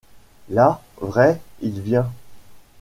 La, vrai, il vient ?